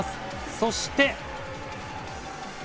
そして。